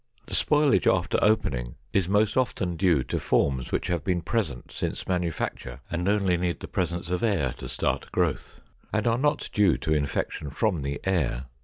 The spoilage after opening is most often due to forms which have been present since manufacture and only need the presence of air to start growth, and are not due to infection from the air.